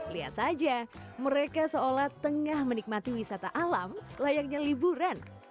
lihat saja mereka seolah tengah menikmati wisata alam layaknya liburan